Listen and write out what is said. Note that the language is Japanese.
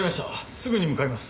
すぐに向かいます。